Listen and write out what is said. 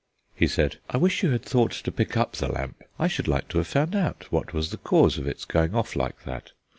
He said: "I wish you had thought to pick up the lamp. I should like to have found out what was the cause of its going off like that."